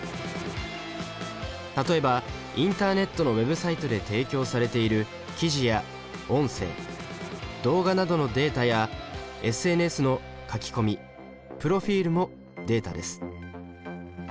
例えばインターネットのＷｅｂサイトで提供されている記事や音声動画などのデータやＳＮＳの書き込みプロフィールもデータです。